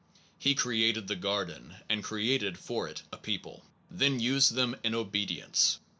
He created the Garden, and created for it a people, then used them in obedience.